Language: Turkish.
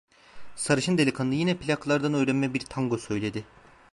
Sarışın delikanlı yine plaklardan öğrenme bir tango söyledi.